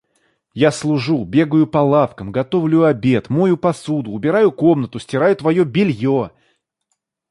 Я служу, бегаю по лавкам, готовлю обед, мою посуду, убираю комнату, стираю твоё бельё...